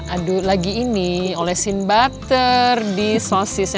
aduh lagi ini olesin butter di sosisnya